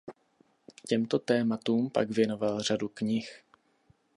Těmto tématům pak věnoval řadu knih.